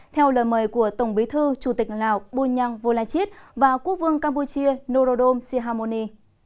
theo lời mời của tổng bí thư chủ tịch lào bunyang volachit và quốc vương campuchia norodom sihamoni